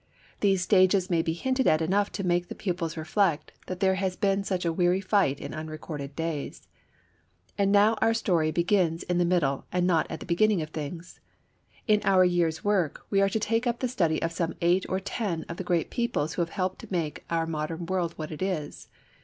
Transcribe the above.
These stages may be hinted at enough to make the pupils reflect that there has been such a weary fight in unrecorded days. And now our story begins in the middle and not at the beginning of things. In our year's work we are to take up the study of some eight or ten of the great peoples who have helped make our modern world what it is.